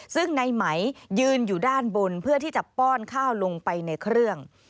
ซึ่งในไหมยืนอยู่ด้านบนเพื่อที่จะป้อนข้าวลงไปในเครื่อง